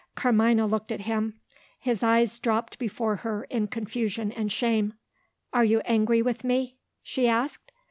Carmina looked at him. His eyes dropped before her, in confusion and shame. "Are you angry with me?" she asked.